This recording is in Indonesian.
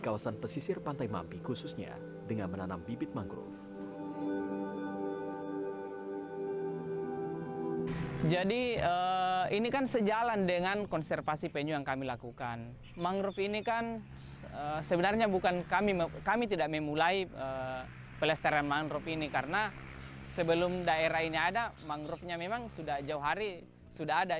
karena sebelum daerah ini ada manggurufnya memang sudah jauh hari sudah ada